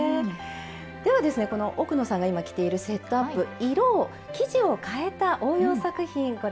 ではですね奥野さんが今着ているセットアップ色を生地を変えた応用作品ご覧頂きましょう。